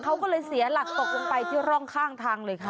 เขาก็เลยเสียหลักตกลงไปที่ร่องข้างทางเลยค่ะ